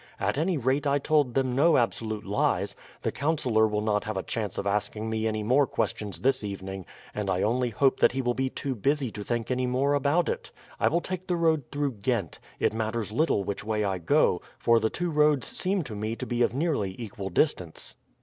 At any rate I told them no absolute lies. The councillor will not have a chance of asking me any more questions this evening, and I only hope that he will be too busy to think any more about it. I will take the road through Ghent; it matters little which way I go, for the two roads seem to me to be of nearly equal distance."